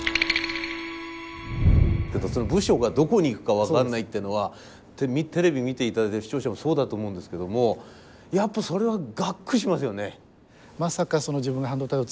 部署がどこに行くか分かんないっていうのはテレビ見て頂いてる視聴者もそうだと思うんですけどもやっぱそれはがっくりしますよね。